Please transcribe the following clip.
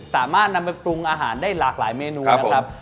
ไปปรุงอาหารได้หลากหลายเมนูนะครับ